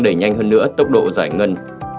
đẩy nhanh hơn nữa tốc độ giải ngân